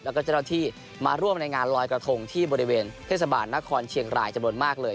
แล้วก็เจ้าหน้าที่มาร่วมในงานลอยกระทงที่บริเวณเทศบาลนครเชียงรายจำนวนมากเลย